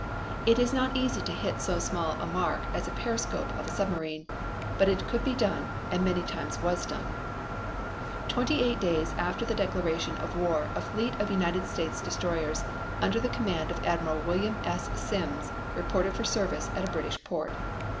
It is not easy to hit so small a mark as the periscope of a submarine, but it could be done and many times was done. Twenty eight days after the declaration of war a fleet of United States destroyers under the command of Admiral William S. Sims reported for service at a British port.